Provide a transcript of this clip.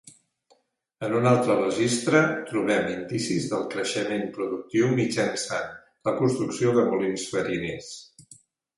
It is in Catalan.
En un altre registre, trobem indicis del creixement productiu mitjançant la construcció de molins fariners.